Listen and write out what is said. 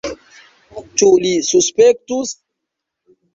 Ĉu li suspektus?